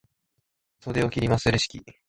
袖を切ります、レシキ。